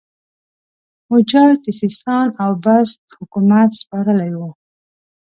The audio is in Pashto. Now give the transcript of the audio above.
حجاج د سیستان او بست حکومت سپارلی وو.